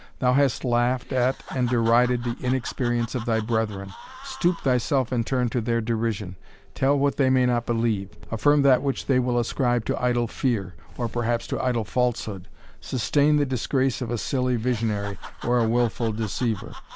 Thou hast laughed at and derided the inexperience of thy brethren stoop thyself in turn to their derision tell what they may not believe affirm that which they will ascribe to idle fear, or perhaps to idle falsehood sustain the disgrace of a silly visionary, or a wilful deceiver.